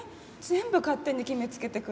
全部勝手に決めつけてくる。